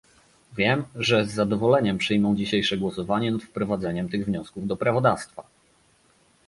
Wiem, że z zadowoleniem przyjmą dzisiejsze głosowanie nad wprowadzeniem tych wniosków do prawodawstwa